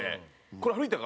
これ歩いたか？